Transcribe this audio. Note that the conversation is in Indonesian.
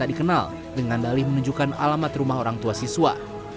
tak dikenal dengan dalih menunjukkan alamat rumah orang tua siswa